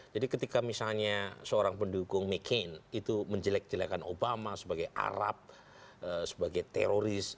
jadi ketika misalnya seorang pendukung mccain itu menjelek jelekan obama sebagai arab sebagai teroris